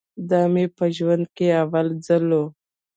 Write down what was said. دا مې په ژوند کښې اول ځل و.